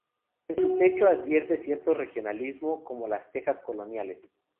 En su techo se advierte cierto regionalismo como las tejas coloniales.